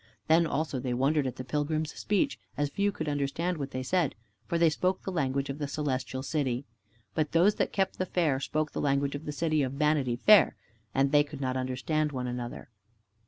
Then also, they wondered at the pilgrim's speech, as few could understand what they said, for they spoke the language of the Celestial City. But those that kept the fair spoke the language of the city of Vanity Fair, and they could not understand one another.